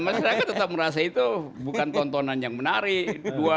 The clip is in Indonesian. masyarakat tetap merasa itu bukan tontonan yang menarik